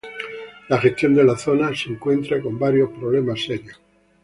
La gestión de la zona se encuentra con varios problemas serios.